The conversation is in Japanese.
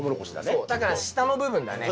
そうだから下の部分だね。